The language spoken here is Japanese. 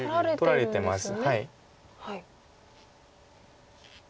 取られてます。